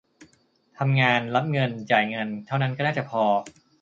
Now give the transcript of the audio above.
ทำงาน รับเงิน จ่ายเงิน เท่านั้นก็น่าจะพอ